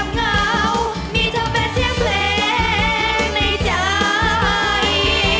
โปรดติดตามตอนต่อไป